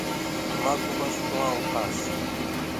همآ ڪوُ بس ڪوآ اُٺاس۔